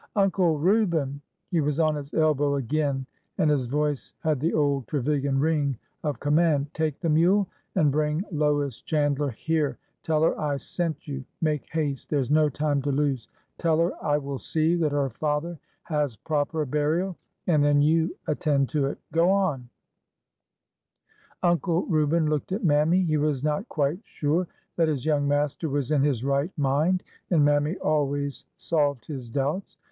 Uncle Reuben !" He was on his elbow again and his voice had the old Trevilian ring of command. Take the mule and bring Lois Chandler here. Tell her I sent you. Make haste! There 's no time to lose! Tell her I will see that her father has proper burial, and then you attend to it. Go on 1 " Uncle Reuben looked at Mammy. He was not quite sure that his young master was in his right mind, and Mammy always solved his doubts.